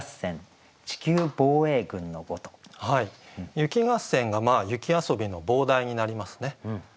「雪合戦」が「雪遊」の傍題になりますね。